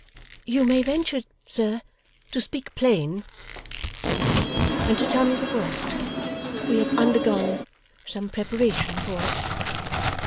'You may venture, sir, to speak plain,' said Emma, 'and to tell me the worst. We have undergone some preparation for it.